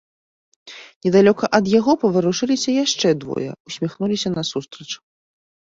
Недалёка ад яго паварушыліся яшчэ двое, усміхнуліся насустрач.